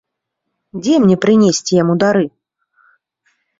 Дзе мне прынесці яму дары?